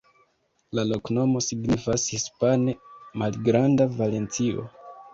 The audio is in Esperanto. La loknomo signifas hispane: malgranda Valencio.